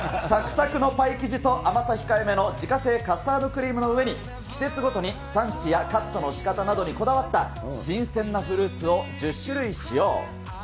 さくさくのパイ生地と甘さ控えめの自家製カスタードクリームの上に、季節ごとに産地やカットのしかたなどにこだわった新鮮なフルーツを１０種類使用。